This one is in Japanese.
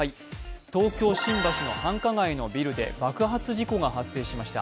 東京・新橋の繁華街のビルで爆発事故が発生しました。